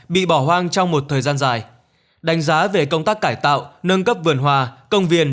bị bỏ hoang trong một thời gian dài đánh giá về công tác cải tạo nâng cấp vườn hòa công viên